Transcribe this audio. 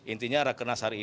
intinya rekenas hari ini